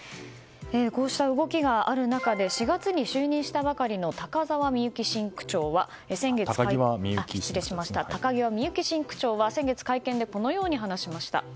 こうした動きがある中で４月に就任したばかりの高際みゆき新区長は先月会見でこのように話しました。